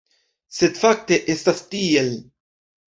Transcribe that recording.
Sed fakte estas tiel.